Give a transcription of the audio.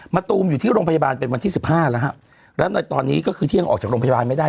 ตูมอยู่ที่โรงพยาบาลเป็นวันที่สิบห้าแล้วฮะแล้วในตอนนี้ก็คือที่ยังออกจากโรงพยาบาลไม่ได้